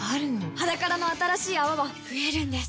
「ｈａｄａｋａｒａ」の新しい泡は増えるんです